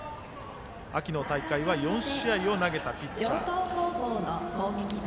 秋の大会は４試合を投げたピッチャー。